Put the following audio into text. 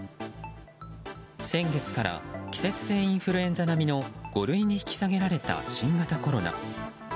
先月から季節性インフルエンザ並みの５類に引き下げられた新型コロナ。